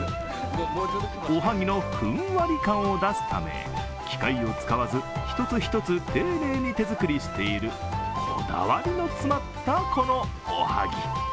おはぎのふんわり感を出すため、機械を使わず、一つ一つ丁寧に手作りしている、こだわりの詰まった、このおはぎ。